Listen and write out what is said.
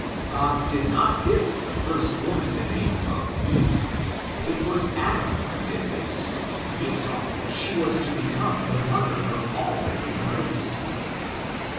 God did not give the first woman the name of Eve ; it was Adam who did this, when he saw that she was to become the mother of ail the human race.